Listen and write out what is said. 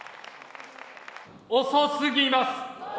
遅すぎます。